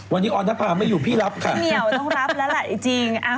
วันนี้ออนทภาไม่อยู่พี่รับค่ะพี่เหมียวต้องรับแล้วแหละจริง